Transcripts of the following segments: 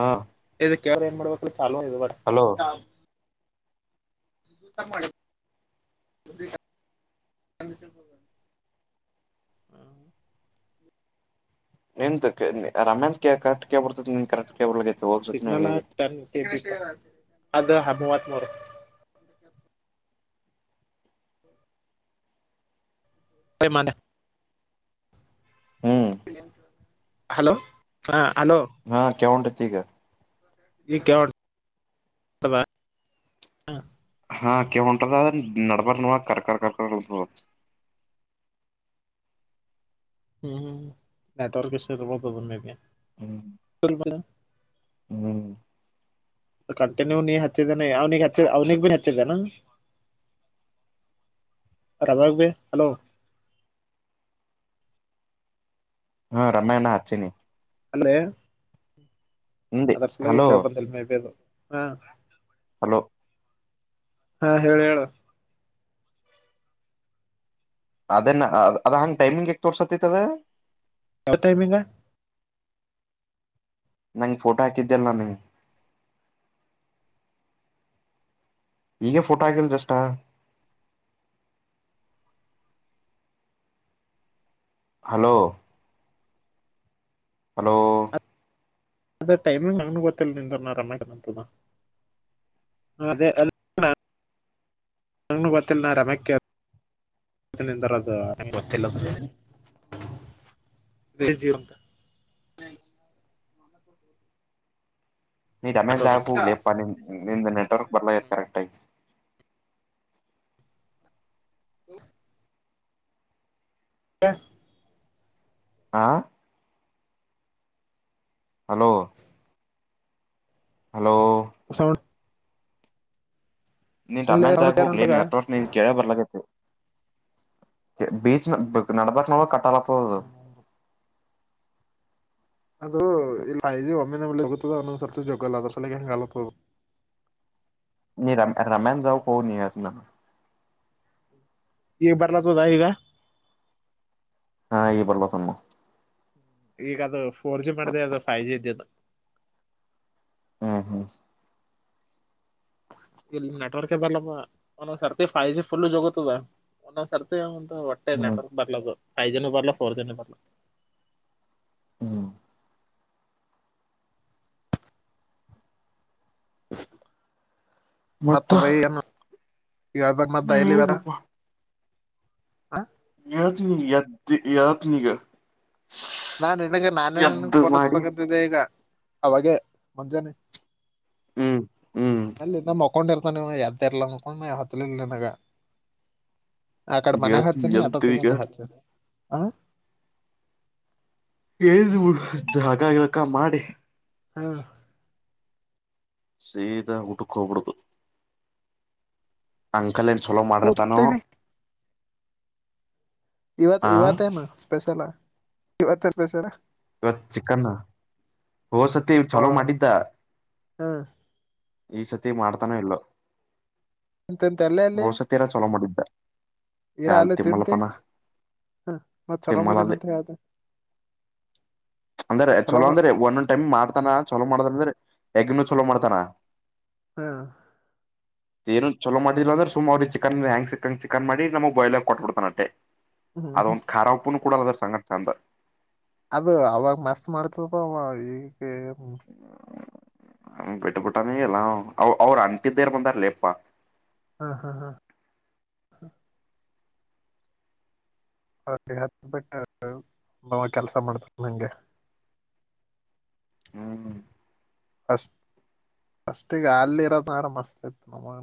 ಹಾ ಇದು ಕೆೇಳ್ರ ಏನ್ ಮಾಡ್ಬೇಕ ಚಾಲೂ ಇರಬಾಡ ಹಲೋ [unintelligible] ಹ್ಮ ನಿಂತು ರಮ್ಯನ್ ಕರೆಕ್ಟ್ ಕೇಬ್ ಬರ್ತೈತಿನ್ ಕರೆಕ್ಟ್ ಕೇಬರ್ಗೈ ಹೋದ ಸತೀನು ಹಿಂಗೆ ಆಗಿತ್ತ ಅದು ಹಬವಲತ ನೋಡ [unintelligible] ಹ್ಮ್ ಹಲೋ ಹಾ ಹಲೋ ಹಾ ಕೆಳುನರಅತ್ತಿಗ ಈಗ ಕೆಳ [unintelligible] ಹಾ ಕೇವ ಹೊಂಟದ ಅ ನಡಬರ ನವ ಕರ್ಕರ್ ಕರ್ಕರ್ [unintelligible] ಹ್ಮ್ ಹ್ಮ್ ನೆಟ್ವರ್ಕ್ ವಿಶ್ ಯು ಇರಬೇಕು ಮೇಬಿ. ಹ್ಮ್ ಹ್ಮ್ ಕಂಟಿನ್ಯೂ ನೀ ಹಚ್ಚಿದ್ದೇನೆ ಅವ್ನಿಗೆ ಹಚ್ಚ ಅವನಿಗೆ ಭೀ ಹಚ್ಚಿದ್ದೇನ ರವ್ಯಾಗ ಬಿ ಹಲೋ ಹ್ಮ ರಮಾಗ ನಾ ಹಚ್ಚಿನಿ ಅಂದ್ರೆ ಹಿಂದೆ ಅದ್ರ ಸಲಾಗಿ ಹಲೋ ಕೇಳ್ಬಂದಿಲ್ಲ ಮೇ ಬೀ ಅದು ಹಾ ಹಲೋ ಹಾ ಹೇಳ ಹೇಳ ಅದನ್ನ ಅದ ಹಂಗ್ ಟೈಮಿಂಗ್ ಎಕ್ ತೋರ್ಸತ್ತತ್ದ ಯಾವ ಟೈಮಿಂಗ ನಂಗ ಫೋಟೋ ಹಾಕಿದ್ದೆಲ್ಲ ನಾನ ಈಗ ಫೋಟೋ ಹಾಕಿದೆಯಲ್ಲ ಜಸ್ಟ್ ಹಲೋ ಹಲೋ ಅದ ಟೈಮಿಂಗ್ ನಂಗನು ಗೊತ್ತಿಲ್ಲ ನಿಂದ ನ ರಮೇಶಂತದ ಅದೆ ಅಲ್ ನಾ ನಾನು ಬತಿನ್ ನ ರಮ ಕೇ [unintelligible] ಗೊತ್ತಿಲ್ಲ ಬೆ ಜೀವಂತ ನೀ ಅದು [unintelligible] ಲೆಪ್ಪ ನಿ ನಿಂದ ನೆಟ್ವರ್ಕ್ ಬರ್ಲತ್ ಕರೆಕ್ಟಗಿ ಹ್ಮ ಎ ಆ ಹಲೋ ಹಲೋ ಸೌಂಡ್ ನೀನ್ ಇಲ್ಲ ಸೌಂಡ್ ರಮ್ಯಾನ್ದಾಗೆ ಕ್ಲಿಯರ್ ಹೋಗ್ಲಿ ಉಂಟಗ ನೀನ್ ಅಥ ನೀನ್ ಕೇಳೇ ಬರ್ಲಕತ್ತವ. ಬೀಚ [unintelligible] ಕಟ್ಟಾಗತ್ ಹ್ಮ ಅದು ಇಲ್ ಐ ಒಮ್ಮೆ ನಾವಲೇ ಸಿಗದ ಅಂದೊಂದ್ ಸಕ್ಸಸ್ ಜೊಗಲ್ಲ ಅದ್ರ ಸಲ್ಲಿಗ್ ಹೆಂಗ್ ಅಲತ್ತದು. [inaudible] ನೀ ರಮ್ ರಮ್ಯಾಮ್ದಾಗ್ ಹೋಗ್ ನೀ ಹೇಳ್ತಿನಾ. ಇಗ ಬರ್ಲತದ ಇಗ ಹಾ ಈ ಬರ್ಲ ತಮ್ಮ ಈಗ ಅದು ಫೋರ್ ಜಿ ಮಾಡಿದೆ ಅದು ಫೈ ಜಿ ಇದ್ದದ್ದು ಹ್ಮ್ ಹ್ಮ್ ಇಲ್ಲಿ ನೆಟ್ವರ್ಕ್ ಬರ್ಲಾಪ ಒಂದೊಂದ್ ಸತಿ ಫೈ ಜಿ ಜೊಗೊತದ ಒಂದೊಂದ್ ಸರ್ತಿ ಒಂದು ಹೊಟ್ಟೆ ಹ್ಮ್ ನೆಟ್ವರ್ಕ್ ಬರ್ಲದು ಫೈ ಜಿನು ಬರ್ಲ ಫೋರ್ ಜಿನು ಬರ್ಲ ಹ್ಮ್ ಮತ್ತ ಬೈಎನು ಹೇಳ್ಬೇಕ್ ಮತ್ ದೈಲಿವರ ಏನಪ್ಪಾ ಹ ಏಳ್ತಿನ್ ಎದ್ದ್ ಏಳ್ತಿನ್ ಇಗ ನಾ ನಿನಗ್ ನಾನೇ ನಿನಗ್ ಫೋನ್ ಮಾಡಿ ಹಚ್ಬೇಕಂತಿದ್ದೆ ಈಗ ಅವಾಗೆ ಮುಂಜಾನೆ ಹ್ಮ್ ಹ್ಮ್ ಎಲ್ಲಿ ನಮೊ ಕೊಂಡಿರ್ತನೆವ ಎದೆ ಇರ್ಲ್ಲವ ಕೋಂ ಹತ್ಲಿಲ್ನನಗ. ಆಕಡೆ ಮನಿ ಹೇಳ್ತೀನಿ ಹಚ್ಚಿನಿ ಎದ್ದು ಆಟೋತ್ತಿಗೆ ಈಗ ನೀ ಹಚ್ಚಿ ಹಾ [unintelligible] ಬಿಡು ಜಲಕ ಗಿಲಕ ಮಾಡಿ ಹಾ ಸೀದಾ ಉಟುಕೊಬುಡುದು ಅಂಕಲ್ ಏನ್ ಚಲೋ ಮಾಡಿರ್ತಾನು ಹ ಇವತ್ ಇವತ್ತೇನು ಸ್ಪೆಷಲ ಇವತೆನ್ ಸ್ಪೆಷಲ ಇವತ್ ಚಿಕನ್ ಹೋ ಸತಿ ಚಲೋ ಮಾಡಿದ್ದ ಹ್ಮ್ ಈ ಸತಿ ಮಾಡ್ತಾನೋ ಇಲ್ಲೊ ಎಂತೆಂತ ಒಸತೀರಾ ಚಲೋ ಮಾಡಿದ್ ಇಲ್ಲ ಅಲ್ಲೇ ತಿಂತಿ ಹ ಮತ್ತ್ ಚಲೊ ತಿಮ್ಮಲಲ್ಲಿ ಮಾಡೇನಂತ ಹೇಳ್ದ ಅಂದ್ರೆ ಚಲೋ ಅಂದ್ರೆ ಒಂದೊಂದ್ ಟೈಮ್ ಮಾಡ್ತಾನ ಚಲೋ ಮಾಡ್ತಾನ ಅಂದ್ರೆ ಎಗನು ಚಲೋ ಮಾಡ್ತಾನ ಹ ಏನು ಚಲೋ ಮಾಡದಿಲ್ಲ ಅಂದ್ರೆ ಸುಮ್ ಅವ್ರ ಚಿಕನ್ [unintelligible] ಚಿಕನ್ ಮಾಡಿ ನಮಗ್ ಬಾಯಲ ಆಗ ಕೊಟ್ಬಿಡ್ತಾನಟ್ಟೆ ಹ್ಮ್ ಅದೊಂದು ಖಾರಾ ಉಪ್ಪನು ಕೂಡಲ್ಲ ಅದ್ರ ಸಂಘಟ್ ಚಂದ ಅದು ಅವಾಗ ಮಸ್ತ್ ಮಾಡ್ತದಪ ಅವ ಈಗ ಏನ್ ಹ್ಮ್ ಬಿಟ್ಟಬಿಟ್ಟಾನಿ ಎಲ್ಲ ಅವ ಅವ್ರು ಅಂಟಿದ್ದೇರ ಬಂದಾರಲಿಪ್ಪಾ ಹಾ ಹಾ ಹಾ [unintelligible] ಕೆಲ್ಸ ಮಾಡ್ತಾನಂಗೆ ಹ್ಮ್ ಫಸ್ಟ್ ಫಸ್ಟಿಗೆ ಅಲ್ಲಿ ಇರೋದನ ಮಸ್ತ್ ಇತ್ತು ನಮಗ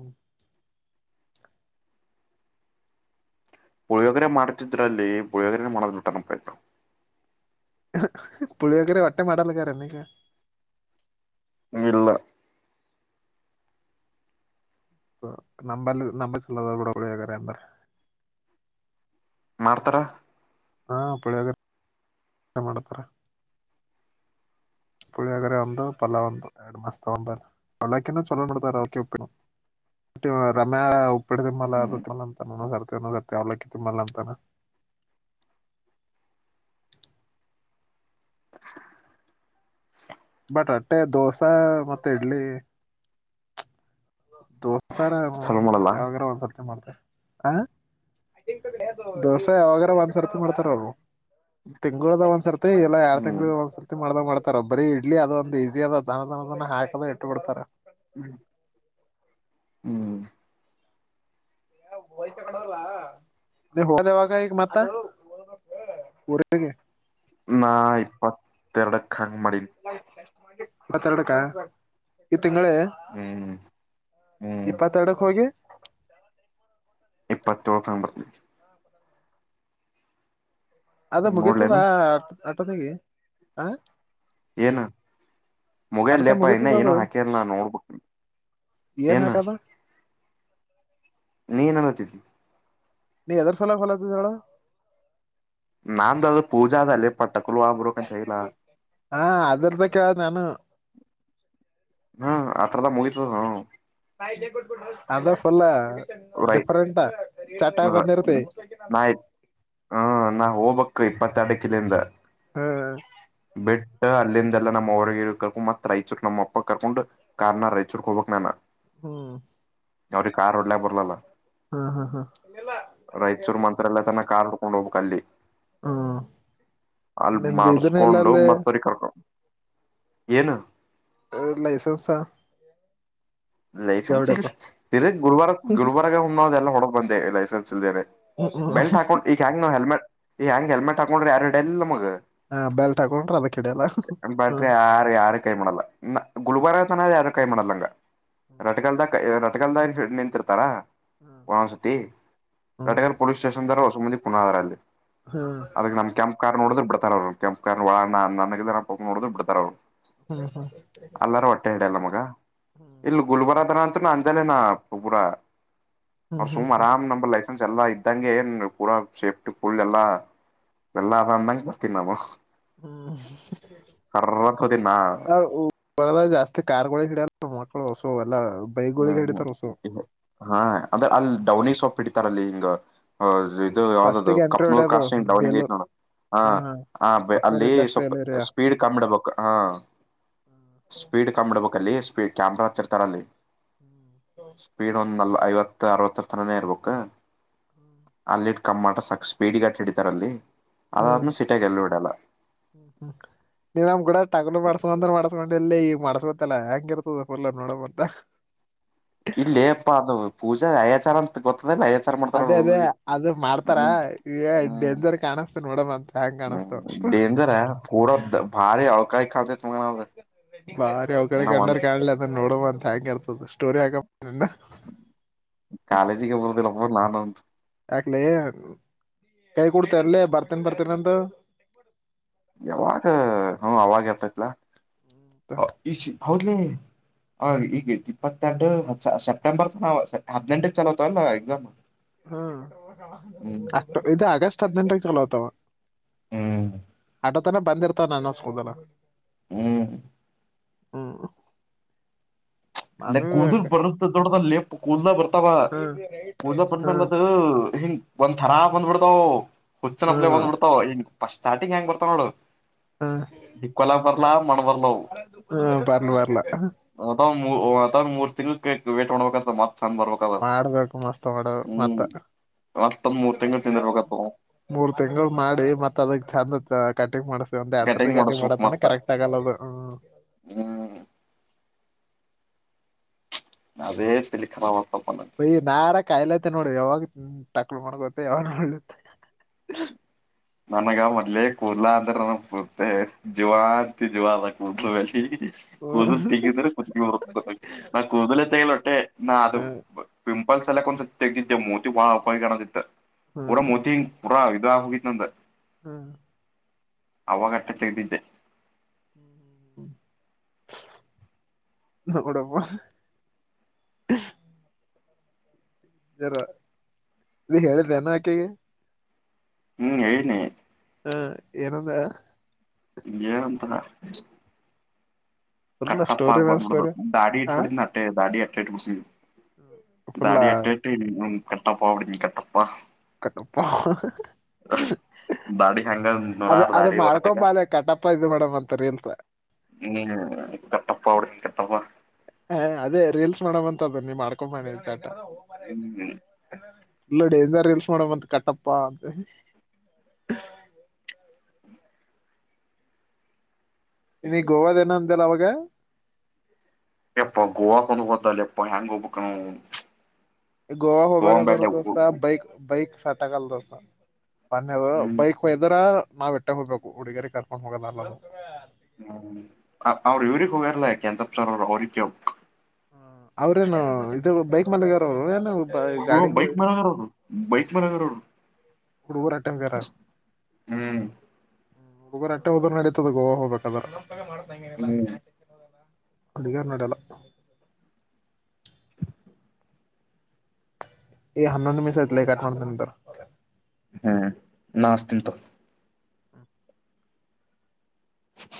ಪುಳಿಯೋಗರೆ ಮಾಡ್ತಿದ್ರಲ್ಲಿ ಪುಳಿಯೋಗರೆ [unintelligible] ಪುಳಿಯಗರೆ ವಟ್ಟೆ ಮಾಡಲ್ಲಗಾರೆನ್ನೇಕ ಇಲ್ಲ ನಂಬಲ್ಲಿ ನಂಬ ಚಲ್ಲದ ಕೂಡ ಗಳಿಯಾಗರೆ ಅಂದ್ರ ಹ ಮಾಡ್ತಾರ ಹಾ ಪಳಿಯಾಗ ಮಾಡತಾರ ಪಳಿಯಾಗರ ಒಂತ ಪಲ್ಲ್ಂದ ಎರಡು ಮಾಸ ತಗಂಬ ಪಲ್ಲಾಕಿನ್ನ ಚಲ್ಲಬಡ್ತಾರೆ ಓಕೆ ಒಪ್ಪಿನು ರಮ್ಯಾ ಉಪ್ಪಡೆ ಹ್ಮ್ ತುಲ್ಲ ಅಂತ ಸರ್ ಸರ್ ಅವ್ಲಕ್ಕ ತುಲ್ಲ ಅಂತಾನ [inaudible] ಬಟ್ ಅಟ್ಟೆ ದೋಸಾ ಮತ್ತೆ ಇಡ್ಲಿ ದೋಸಾರ ಚಲೋ ಮಾಡಲ್ಲ ಯಾವಾಗಾರ ಒಂದ್ಸರ್ತಿ ಮಾಡ್ತಾರ ಆ ದಿವಸೆ ಯೋಗರ ಒಂದುಸರತಿ ಮಾಡಡ್ತಾರಲ್ಲು ತಿಂಗ್ಳದ ಒಂದ್ಸರ್ತಿ ಇಲ್ಲ ಎರಡ್ ಹ್ಮ್ ತಿಂಗಳುಳ ಒಂದ್ಸರ್ತಿ ಮಾಡ್ದ ಮಾಡ್ತಾರಬ್ಬರಿ ಇಡ್ಲಿ ಅದ ಒಂದ್ ಈಸಿ ಅದ ಅದ ಅ ಹಾಕದ ಇಟ್ಟುಬ ಬಿಡ್ತಾರ ಹ್ಮ್ ಹೊದವಾಗ ಮತ್ತ [unintelligible] ನಾ ಇಪ್ಪತ್ತೆರಡಕ್ಕ ಹಂಗ್ ಮಾಡಿನಿ ಮತ್ತೆರಡಕ್ಕ ತಿಂಗಳೇ ಹ್ಮ್ ಹ್ಮ್ ಇಪ್ಪತ್ತೆರಡಕ್ಕೆ ಹೋಗಿ ಪ್ಪತ್ತೋಳಂಬಿ ಅದ ಮುಗೀತದ ನೋಡ್ಲೇನ ಆಟೋದಗಿ ಆ ಏನು ಮೊಗೈಲ್ ಅಷ್ಟೇ ಲೇಪ ಇನ್ನ ಮುಗೀತದ ಏನು ಅದು ಹಾಕಿಲ್ಲ ನ ನೋಡ್ಬೇಕಕ್ ಏನ್ ಹಾಕದ ನೀನ್ ಅನತಿದ್ ನೀ ಹೆದರ್ಸಲ ಲತ ಹೇಳಳ ನಾದ ಅದು ಪೂಜಾದ ಅಲ್ಲೇ ಪ ಹಾ ಅದ್ರದಕ್ಕೆ ನಾನು ಹ್ಮ ಅತ್ರದ ಮುಯರ್ ಹ ಅದು ಬುಲ್ಲ ರೈ ಡಿಫ್ರಂಟ್ ಚಟಾ ಬಂದಿರುತೆ ನಾಯತ್ ಹ ನಾ ಹೋಗ್ಬಕ್ ಇಪ್ಪತ್ತ ಅಡ ಕಿಲಿಂದ ಹ್ಮ್ ಹ್ಮ್ ಅಲ್ಲಿಂದೆಲ್ಲ ನಮ್ಮ್ ಕರ್ಕೊಂಡ ಮತ್ ರೈಚೂರ್ ನಮ್ಮ ಅಪ್ಪ ಕರ್ಕೊಂಡು ಕಾರ್ ನ ರಾಯಚೂರ್ಕ್ ಹೋಗ್ಬೇಕಕ್ ನಾನ ಹ್ಮ್ ಅವಾವ್ರೀ ಕಾರ್ ಡ್ಲ ಬರ್ಲಲ್ಲ ಹಾ ಹಾ ಹಾ ರಾಯಚೂರ್ ಮತ್ರತ್ರಲ್ಲ ತನ್ನ ಕಾರ್ ಕಕೊಂಡ ಹೋಗ ಕ ಅಲ್ಲಿ ಹ್ಮ್ ಅಲ್ಲಿ ನಿಂದು ಇದನ್ನ ಇಲ್ಲ ಮಾಡಸ್ಕೊಂಡು ಅಲ್ಲಿ ಮತ್ತರಿ ಕರ್ಕೊಂಡ ಏನು ಲೈಸೆನ್ಸ್ ಲೈಸೆನ್ಸ್ ಜವಡತ ಇರಿ ಗುಲ್ಬಾರ ಗುಲ್ಬಾರಾಗ ಹ್ದೆಲ್ಲಾ ಹೊಡ ಬಂದೆ ಲೈಸೆನ್ಸ್ ಇಲ್ದೇನೆ ಬೆಲ್ಟ್ ಹಾಕೊಂಡ್ ಈಗ ಹೆಂಗ ನಾವ್ ಹೆಲ್ಮೆಟ್ ಈಗ ಹೆಂಗ್ ಹೆಲ್ಮೆಟ್ ಹಾಕೊಂಡ್ರೆ ಯಾರುಡೆ ಎಲ್ಲ ಮಗ ಹ ಬೆಲ್ಟ್ ಹಾಕೊಂಡ್ರ ಅದ ಕಿಡಿಯಲ್ಲ ಹ ಬಟ್ರೆ ಯಾರು ಯಾರ ಕೈ ಮಾಡಲ್ಲ ಗುಲ್ಬಾರ ತನ ಯಾರ ಕೈ ಮಾಡಲ್ಲಂಗ ಹ್ಮ್ ರಟ್ಗಲ್ದ ಕ ರಟಗಲ್ದ ನಿಂತಿರ್ತಾರಾ ಹ್ಮ್ ವರಸತಿ ರಟಗ ಹ್ಮ್ ಪೊಸ್ ಸ್ಟೇಶನ್ ದ್ರ ವಸುಮತಿ ಪುನಃ ಹದಾರಲ್ಲಿ ಹ್ಮ್ ಅದಕ್ಕೆ ನಮ ಕೆಂಪ ಕಾರ್ ನೋಡಿದ್ರ ಬಿ ಬಿಡ್ತಾರ ಅವ್ರು ಕೆಂಪ ಒ ನನ ನೋಡ ಬಿಡ್ತಾರ ಅವರು ಹ್ಮ ಹಾ ಹ್ಮ್ ಬರಂತ ಅಂಜಾಲ ನ ಪೂ ಅವ ಹ್ಮ್ ಹ್ಮ್ ಸುಮ್ ಹ್ಮ್ ಆರಾಮ ನಂಬರ್ ಲಸ ಎಲ್ಲಾ ಇದ್ದಂಗೆ ಏನ್ ಪೂರಾ ಸೇಫ್ಟಿ ಕಫಲ್ ಎಲ್ಲಾ ಬೆಲ್ಲ ಅದ ಅಂದಂಗ ಬರ್ತೀನಿ ನಾವು ಹ್ಮ್ ಹೋತೀನಿ ನಾ ಜಾಸ್ತಿ ಕಾರ್ಗಳ ಹಿಡಿಯಲ್ಲ ಮಕ್ಕಳು ಹೊಸು ಎಲ್ಲ ಹ್ಮ್ ಹ್ಮ್ ಹಾ ಅಂದ್ರೆ ಅಲ್ಲಿ ಡೌನಿ ಸೊಪ್ ಇಡ್ತಾರ ಅಲ್ಲಿ ಹಿಂಗ ಇದು ಯಾವ್ದದ್ದದು ಫಸ್ಟಿಗೆ ಎಂಟ್ರಿ ಕಪ್ನೂರ್ ಹೊಡ್ಯೋದು ಕಾಾಸ ಅವಿಿಗೆೈ ಬೇಲೂರ್ ನೋ ಹಾ ಹ ಹ ಆ ಕಪ್ಪನೂರ್ ಅಲ್ಲಿ ಇಂಡಸ್ಟ್ರಿಯಲ್ ಸ್ವಲ್ಪ ಏರಿಯಾ ಸ್ಪೀಡ್ ಕಮ್ಮ್ಿಡ್ಬೇಕು ಹಾ ಹ್ಮ್ ಸ್ಪೀಡ್ ಕಮ್ಬಿಡ್ಬೇಕ ಅಲ್ಲಿ ಸ್ಪೀಡ್ ಕ್ಯಾಮ್ರಾ ಹತ್ತಿರ್ತಾರ ಅಲ್ಲಿ ಸ್ಪೀಡ್ ಒಂದ್ ನಲ್ವ ಐವತ್ತು ಅರವತ್ತರ್ ತನನೇ ಇರ್ಬೇಕ ಅಲ್ಲಿಟ್ಟ ಕಮ್ಮ್ ಮಾಡಟ್ರ ಸಾಕ ಸ್ಪೀಡ್ಗಟ್ಟ ಹಡಿತಾರ ಅಲ್ಲಿ ಹ್ಮ್ ಅದಾದ್ಮೇಲೆ ಸಿಟಿಯಾಗ ಎಲ್ಲೂ ಇಡಲ್ಲ ಹ್ಮ ಹ್ಮ್ ನೀನ್ಮ್ ಕೂಡ ಟಗಲು ಮಾಡಸ್ಕೊಂಡಂದ್ರ ಮಾಡಸ್ಕೊಂಡ ಎಲ್ಲೇ ಈಗ ಮಾಡಸ್ಬತ್ತಲ್ಲ ಹೆಂಗ ಇರ್ತದ ಪಲ್ಲ ನೋಡಂತ ಇಲ್ಲೇಪ್ಪ ಅದು ಪೂಜಾ ಅಯಚಾರ ಅಂತ ಗೊತ್ತ ಅದೇ ಅದೇ ಅದು ಮಾಡ್ತಾರ ಹ್ಮ್ ಈ ಡೇಂಜರ್ ಕಾಣಸ್ತ ನೋಡಮ ಅಂತ ಹೆಂಗ್ ಕಾಣಸ್ತ ಡೇಂಜರ್ ಕೂಡ ಭಾರಿ ಅಳ್ಕಾಯಿ ಕಾಣತೆೇತ್ ಮಂಗ ನಾವಾಗ ಬಾರಿ ಅವ್ ಕಡೆ ಕಂಡರ್ ಕಾಣಲಿ ಅದನ್ನ ನೋಡುವ ಅಂತ ಹೆಂಗ ಇರ್ತದ ಸ್ಟೋರಿ ಹಾಕ ಕಾಲಜಿ ಕಬರುದೆಲ್ಲಬರ ಲಾನಂತ ಯಾಕ್ಲ ಕೈ ಕೊಡ್ತರ್ಲ ಬರ್ತೇನ ಬರ್ತೇನಂತ ಯಾವಾಗ ಹ್ಮ ಅವವಾಗ ಯತತ್ಲ ಈ ಹೌದಲಿ ಹಾಗ ಈಗ ಇಪ್ಪತ್ತೆಂಟು ಸೆಪ್ಟೆಂಬರ್ ನ ಹದ್ನೆಂಟಕ್ ಚಲೋತ ಅಲ್ಲಾ ಎಕ್ಸಾಮ್ ಹಾ ಹ್ಮ್ ಅಕ್ಟ ಇದು ಆಗಸ್ಟ್ ಹದಿನಂಟಕ್ಕೆ ಚಲ ಆತಾವ ಹ್ಮ್ ಅಟ ತಾನೆ ಬಂದಿರ್ತಾರ ನನ್ನಸ್ಕೋದ ಹ್ಮ್ ಹ್ಮ್ ನ ಅದು ಕೂುದ ಬರುತ್ತ ದೊಡ ನ ಲೇಪ್ ಕೂುದಲ ಬರ್ತ ಾವ ಹ್ಮ್ ಕೂಲ್ ಬಂದ ಹ್ಮ್ ಮೇಲದ ಹಿಂಗ ಒಂದ್ ಥರಾ ಬಂದ್ಬಿಡ್ತಾವ ಹುಚ್ಚಿನಪ್ಲಲೆ ಹ್ಮ್ ಬಂದಬ ಬಿಡ್ತಾವನ್ ಸ್ಟಾರ್ಟಿಂಗ್ ಹೆಂಗ್ ಬರ್ತಾವ ನೋಡು ಇಕ್ಲ ಬರ್ಲಾ ಮಣ ಬರ್ಲವು ಹ್ಮ ಬರ್ಣ ಬರ್ಲ ಅದ್ ಮೂರು ತಿಂಗಳ ವೇಟ್ ಮಾಡ್ಬೇಕ ಮತ್ತ ಮಾಡ್ಬೇಕು ಮಸ್ತ್ ಹೊಡ ಮತ್ತ ಹ್ಮ್ ಮತ್ತೊಂದ್ ಮೂರ್ ತಿಂಗಳು ತಿಂದಿರ್ಬೇಕತ್ ಮೂರ್ ತಿಂಗಳು ಮಾಡಿ ಮತ್ತತ್ ಅದಕ್ ಚಂದತ್ ಕಟಿಂಗ್ ಮಾಡ್ಸ ಒಂದ ಎರಡ್ ಸಾವಿರದ ಕಟಿಂಗ್ ಮಾಡಸ್ಬೇಕ್ ಮಾಡತಾನೆ ಮತ್ತ ಕರೆಕ್ಟ್ ಆಗಲ್ಲದು ಹ್ಮ್ ಹ್ಮ್ ಅದೇ ತಲ್ಲಿಖರಾ ಆಗ್ತ ಪಯಿ ನಾರ ಕಾಯಿಲತೆ ನೋಡ್ರಿ ಯಾವಾಗ ಹ್ಮ್ ತಕ್ಳು ಮಾಡ್ಕೋತ್ತ ಅವ್ರ ಮಾಡಲತ್ತ ನನಗ ಮೊದ್ಲೇ ಕೂದ್ಲಾ ಅಂದ್ರ ನ ಕೂರ್ತೆ ಜುವ ಅಂತಿ ಜುವ ಅದ ಕೂದಲುಿ ಕೂುದು ಹ್ಮ್ ತಿರು ಕುತಿಕ ನ ಕೂದಲ ತಲೊಟ್ಟೆ ನ ಅದು [inaudible] ಲ್ ಸಲಕ್ ಒಂದ್ ತೆಗಿದ್ದೆ ಮೋತಿ ಬಾಳ ಅಪಾಯಿಾಣದಿತ್ ಪುರ ಹ್ಮ್ ಮೋತಿಿ ಪುರ ಇದ ಹೋಗಿ ನಂದ ಹ್ಮ ಅವಾಗಟ್ಟೆ ತೆೆಗೆದಿದ್ದೆ ಹ್ಮ್ ಹ್ಮ್ ಹ್ಮ್ ನ ಕೂಡಪ್ಪ ಜರ ಇಲ್ಲಿ ಹೇಳಿದೆಾನ ಆಕೆಗೆ ಹ್ಮ್ ಹೇಳನಿ ಹ್ಮ ಏನಂದ ಅಂತ ಫುಲ್ ಕಟ್ಟಪ್ಪ ಸ್ಟೋರಿ ಮ್ಯಾಲ ಸ್ಟೋರಿ ದಾಡಿ ಇ ಆ ಪಡ ಅ ದಾಡಿ ಅಟ್ಟೆ ಇ ಫುಲ್ಲ ದಾಡಿ ಎಟ್ಟ ಇಟ್ಟಿ ಕೆಟ್ಟೋ ಅಬಡಿ ನೀ ಕೆಟ್ಟ ಕಪ್ಪ ದಾಡಿ ಹೆಂಗ ಅದ ನೂರಾರ್ ಅದ ದಾಡಿ ಅವ ನನಗ ಮಾಡ್ಕೊಂಬಳ ಕಟಪ್ಪ ಇದು ಮೇಡಮ್ ಅಂತರಿ ಇಲ್ಸ ಹ್ಮ್ ಕಟ್ಟಪ್ಪ ಅವಡ ಕಟ್ಟಪ್ಪ ಹ ಅದೇ ರೀಲ್ಸ್ ಮಾಡಮ್ ಅಂತ ಅದದು ನೀವ್ ಮಾಡ್ಕಬನಿ ಹ್ಮ್ ಹ್ಮ್ ಪಲ್ಲಡಿ ಎಂತ ರೀಲ್ಸ್ ಮಾಡೋಡ ಬಂತ ಕಟ್ಟಪ್ಪಾ ಅಂತ ಇ ಗೋವಾದ ನಂತಲ್ಲ ಅವಾಗ ಎಪ್ಪ ಗೋವಾ ಕೊೊಂದು ಬತಲ್ಲ ಎಪ್ಪ ಹೆಂಗ್ ಗೋಪಕ್ಕನ ಗೋವಾ ಹಬ್ಯಾ ಕಾದದುಸ್ ಬೈಕ್ ಬೈಕ್ ಸಟಾಕಲ್ಲತ ಬೇದ ಬೈಕ್ ಹೋಯದ್ರ ನಾವ್ ಇಟ್ಟ ಹೋಗ್ಬೇಕು ಹುಡುಗಿಯರಿ ಕರ್ಕೊಂಡ್ ಹೋಗೋದಲ್ಲ ಹ್ಮ್ ಅವ್ಇವಕ ಬರಲ್ಲ ಕೆಂತಪ್ ಸರ್ ಅವರು ಅವಕ ಹ ಅವ್ರೇನು ಇ ಬೈಕ್ ಮಾಲಕರುರು ಏನು ಹ ಗಾಡಿ ಬೈಕ್ ಮ್ಯಲೆದರ್ರೋಬೈಕ್ ಮಲೆದರೋರೇ ಹಡು ಊರಾಟಂ ಕ ಹ್ಮ್ ಹ್ಮ್ ಹುಡುಗರು ಅಟ್ಟೆ ಹೋದ್ರು ನಡೀತದ ಗೋವಾ ಹೋಗಬೇಕದ ಹ್ಮ್ ಅಡುಗೆಾರ ನಡ ಎಲ್ಲ ಎ ಹಣ್ಣಮಸ ಇತಲ ಕಾಠ್ಮಾಂಡು ನಂತರ ಹ್ಮ್ ನಾಸ್ತಂತು